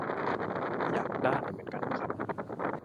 อยากได้เหมือนกันครับ